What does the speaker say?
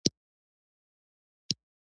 په کورونو کې به ماشومانو،